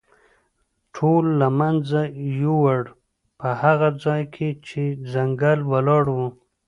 ټول له منځه یووړ، په هغه ځای کې چې ځنګل ولاړ و.